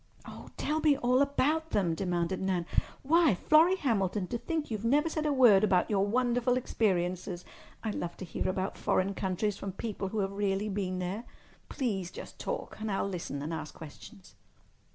"Oh, tell me all about them," demanded Nan. "Why, Florrie Hamilton, to think you've never said a word about your wonderful experiences! I love to hear about foreign countries from people who have really been there. Please just talk—and I'll listen and ask questions."